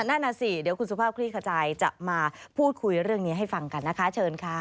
นั่นน่ะสิเดี๋ยวคุณสุภาพคลี่ขจายจะมาพูดคุยเรื่องนี้ให้ฟังกันนะคะเชิญค่ะ